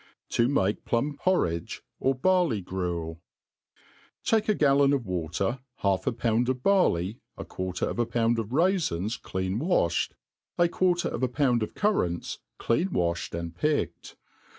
7o make PhtmiPvrriige^ nr Barley GrutU TAKE a gallon of water, half a pound of barley, a quarter of a pound of raifins clean waflied, a quarter of a pound of cur rants clean waflied and picked.